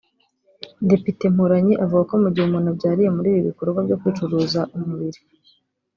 Depite Mporanyi avuga ko mu gihe umuntu abyariye muri ibi bikorwa byo kwicuruza umubiri